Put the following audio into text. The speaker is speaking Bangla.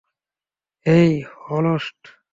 হেই, হলস্ট।